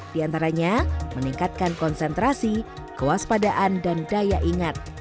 di antaranya meningkatkan konsentrasi kewaspadaan dan daya ingat